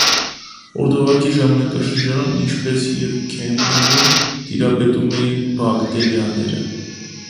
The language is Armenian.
Օրդովակի ժամանակաշրջանում, ինչպես և քեմբրիում, տիրապետում էին բակտերիաները։